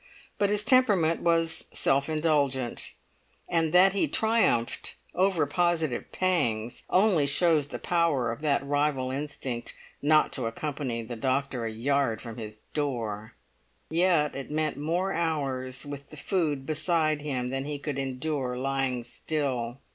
But his temperament was self indulgent, and that he triumphed over positive pangs only shows the power of that rival instinct not to accompany the doctor a yard from his door. Yet it meant more hours with the food beside him than he could endure lying still.